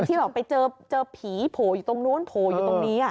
ที่บอกไปเจอผีโผอยู่ตรงนู้นโผอยู่ตรงนี้